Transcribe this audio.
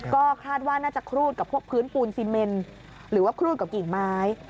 ก็คาดว่าน่าจะครูดกับพวกพื้นปูนซีเมนหรือว่าครูดกับกิ่งไม้